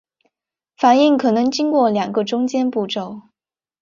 反应可能经过两个中间步骤。